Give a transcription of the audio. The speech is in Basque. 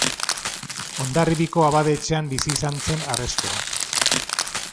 Hondarribiko abade-etxean bizi izan zen harrezkero.